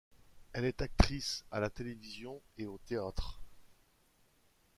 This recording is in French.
Elle est actrice à la télévision et au théâtre.